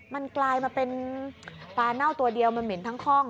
มันกลายมาเป็นปลาเน่าตัวเดียวมันเหม็นทั้งคล่อง